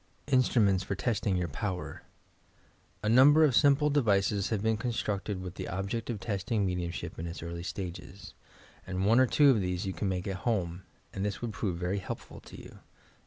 INSTRUMENTS FOR TESTING TOUB POWKB A number of simple devices have been constructed with the object of testing mediumsbip in its early stages, and one or two of these you could make at home, and this would prove very helpful to you.